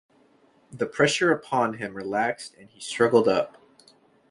The pressure upon him relaxed and he struggled up.